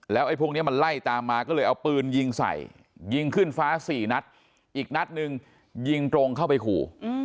ไอ้พวกนี้มันไล่ตามมาก็เลยเอาปืนยิงใส่ยิงขึ้นฟ้า๔นัดอีกนัดหนึ่งยิงตรงเข้าไปขู่